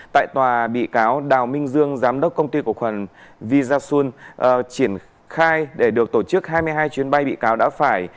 tại tòa bị cáo đào minh dương giám đốc công ty cổ phần visasun triển khai để được tổ chức hai mươi hai chuyến bay bị cáo đã phải